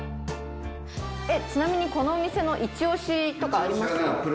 ちなみにこのお店の一押しとかありますか？